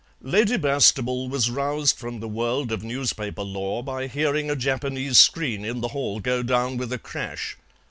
Lady Bastable was roused from the world of newspaper lore by hearing a Japanese screen in the hall go down with a crash.